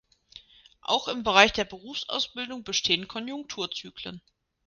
Auch im Bereich der Berufsausbildung bestehen Konjunkturzyklen.